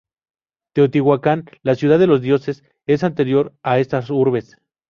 Teotihuacán, la ciudad de los dioses, es anterior a estas urbes.